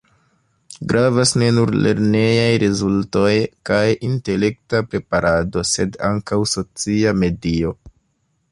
Gravas ne nur lernejaj rezultoj kaj intelekta preparado, sed ankaŭ socia medio.